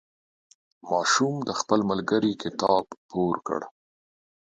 ماشوم د خپل ملګري کتاب پور کړ.